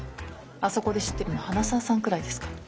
あそこで知ってるの花澤さんくらいですから。